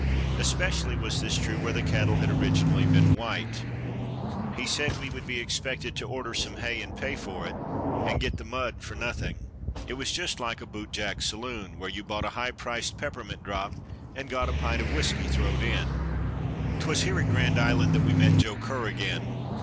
Especially was this true where the cattle had originally been white. He said we would be expected to order some hay and pay for it and get the mud for nothing. It was just like a boot jack saloon, where you bought a high priced peppermint drop and got a pint of whiskey throwed in. [Illustration: Joe Kerr Loading Sheep for South St. Joe.] 'Twas here at Grand Island that we met Joe Kerr again.